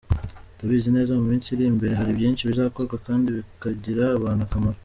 Ndabizi neza mu minsi iri imbere hari byinshi bizakorwa kandi bikagirira abantu akamaro.